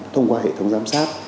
thông qua hệ thống giám sát